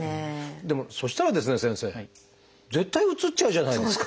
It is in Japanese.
でもそしたら先生絶対うつっちゃうじゃないですか！